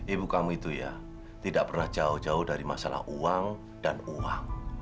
ibu kamu itu ya tidak pernah jauh jauh dari masalah uang dan uang